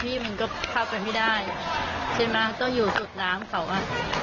เวลาหน้าแหลงทีน้ำพี่มันก็เข้ากันไม่ได้จึงมันต้องอยู่สุดน้ำเขาอ่ะ